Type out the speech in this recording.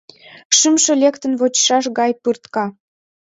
Шӱмжӧ лектын вочшаш гай пыртка.